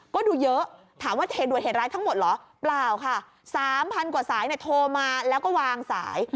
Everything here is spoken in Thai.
ก็ดูเยอะถามว่าเหตุด่วนเหตุร้ายทั้งหมดเหรอเปล่าค่ะ๓๐๐กว่าสายโทรมาแล้วก็วางสาย